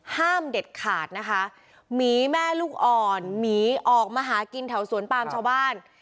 ห้ามเด็ดขาดนะคะหมีแม่ลูกอ่อนหมีออกมาหากินแถวสวนปามชาวบ้าน